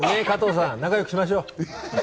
加藤さん、仲良くしましょう。